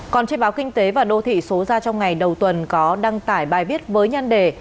còn trên báo kinh tế và đô thị số ra trong ngày đầu tuần có đăng tải bài viết với nhan đề